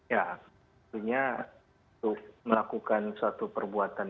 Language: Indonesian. ya tentunya untuk melakukan suatu perbuatan